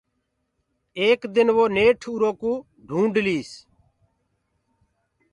ايڪ دن وو نيٺ اُرو ڪوُ هآت ڪرليس۔